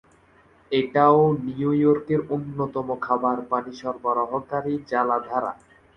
এটাও নিউ ইয়র্কের অন্যতম খাবার পানি সরবরাহকারী জলাধার।